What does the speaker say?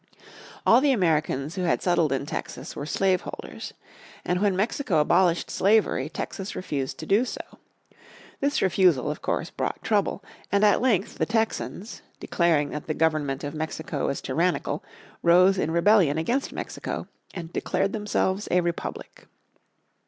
All the Americans who had settled in Texas were slave holders. And when Mexico abolished slavery Texas refused to do so. This refusal of course brought trouble, and at length the Texans, declaring that the government of Mexico was tyrannical, rose in rebellion against Mexico, and declared themselves a republic.